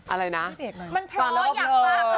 มันเพราะอยากมาก